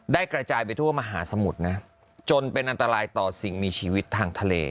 กระจายไปทั่วมหาสมุทรนะจนเป็นอันตรายต่อสิ่งมีชีวิตทางทะเล